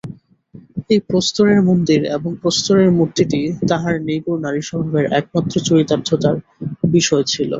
এই প্রস্তরের মন্দির এবং প্রস্তরের মূর্তিটি তাঁহার নিগূঢ় নারীস্বভাবের একমাত্র চরিতার্থতার বিষয় ছিল।